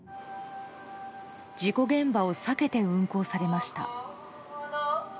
事故現場を避けて運航されました。